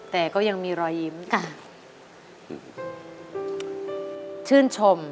ต้องพาสนบรรย์